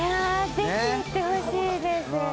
ぜひ行ってほしいです